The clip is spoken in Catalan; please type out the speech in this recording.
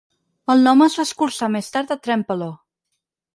El nom es va escurçar més tard a Trempealeau.